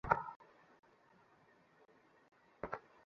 ঠিক জানে না, খুঁজিয়া লইতে হইবে।